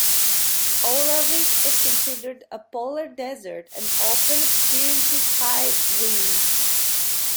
Aulavik is considered a polar desert and often experiences high winds.